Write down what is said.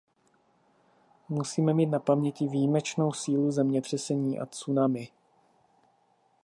Musíme mít na paměti výjimečnou sílu zemětřesení a tsunami.